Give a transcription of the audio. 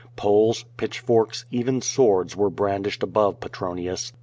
Poles, pitch forks, even swords were brandished above Pe tronius.